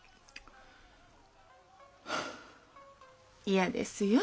嫌ですよ